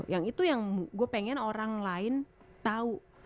yang itu yang gue pengen orang lain tahu